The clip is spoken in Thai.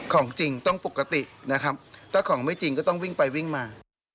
ของจริงต้องปกตินะครับถ้าของไม่จริงก็ต้องวิ่งไปวิ่งมา